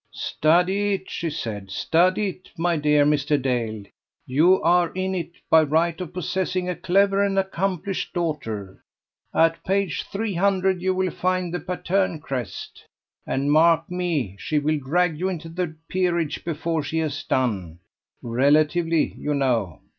"Study it," she said, "study it, my dear Mr. Dale; you are in it, by right of possessing a clever and accomplished daughter. At page 300 you will find the Patterne crest. And mark me, she will drag you into the peerage before she has done relatively, you know.